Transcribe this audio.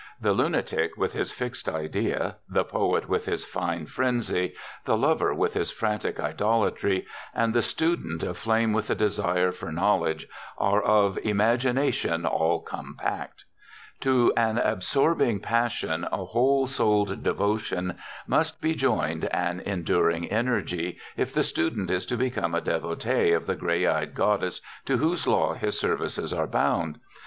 The lunatic with his fixed idea, the poet with his fine frenzy, the lover with his frantic idolatry, and the student aflame with the desire for knowledge are of "imagination all compact." To an absorbing passion, a whole souled devotion, must be joined an enduring energy, if the student is to become a devotee of the gray eyed goddess to whose law his services are bound.